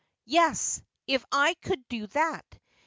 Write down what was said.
yes, if I could do that.